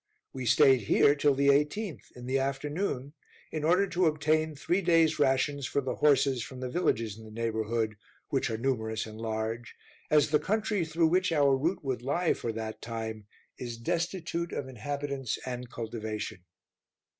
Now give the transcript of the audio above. We stayed here till the 18th, in the afternoon, in order to obtain three days rations for the horses from the villages in the neighborhood, which are numerous and large, as the country through which our route would lie for that time, is destitute of inhabitants and cultivation.